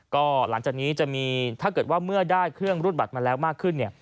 ก็หลังจากนี้จะมีถ้าเกิดว่าเมื่อได้เครื่องรูดบัตรมาแล้วมากขึ้นเนี่ย